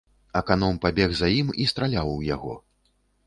Аканом пабег за ім і страляў у яго.